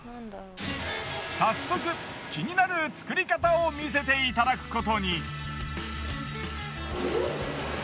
早速気になる作り方を見せていただくことに。